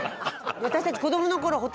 私たち子どものころ